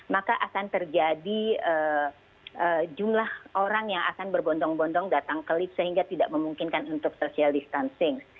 maka akan terjadi jumlah orang yang akan berbondong bondong datang ke lift sehingga tidak memungkinkan untuk social distancing